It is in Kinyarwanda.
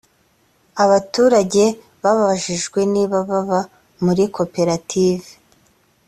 abaturage babajijwe niba baba muri koperative